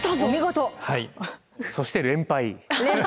そして連敗。